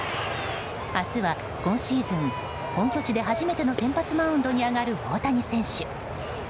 明日は今シーズン本拠地で初めての先発マウンドに上がる大谷選手。